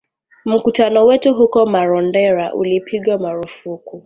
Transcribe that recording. Mkutano wetu huko Marondera ulipigwa marufuku